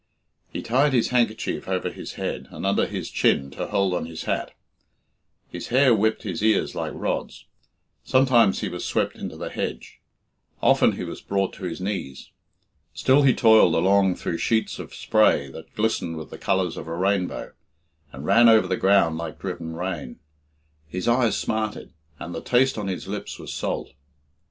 He tied his handkerchief over his head and under his chin to hold on his hat. His hair whipped his ears like rods. Sometimes he was swept into the hedge; often he was brought to his knees. Still he toiled along through sheets of spray that glistened with the colours of a rainbow, and ran over the ground like driven rain. His eyes smarted, and the taste on his lips was salt.